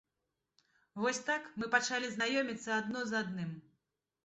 Вось так мы пачалі знаёміцца адно з адным.